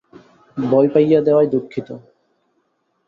ভয় পাইয়ে দেওয়ায় দুঃখিত।